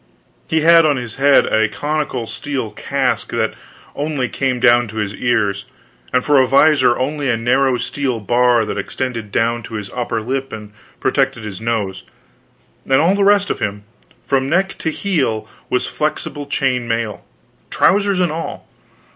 He had on his head a conical steel casque that only came down to his ears, and for visor had only a narrow steel bar that extended down to his upper lip and protected his nose; and all the rest of him, from neck to heel, was flexible chain mail, trousers and all.